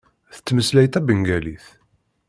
Tettmeslay tabengalit.